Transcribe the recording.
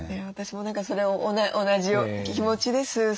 私も何かそれは同じような気持ちです。